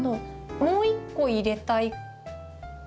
もう一個入れたい。